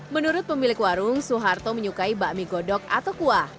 menurut pemilik warung soeharto menyukai bakmi godok atau kuah